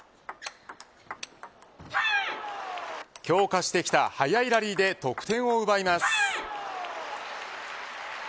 強化してきた速いラリーで得点を奪います。